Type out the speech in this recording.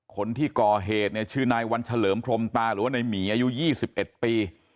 คนที่ก่อเหตุเนี่ยชื่อนายวันเฉลิมพรมตาหรือว่าในหมีอายุ๒๑ปี